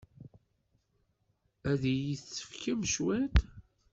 Ad iyi-d-tefkem cwiṭ?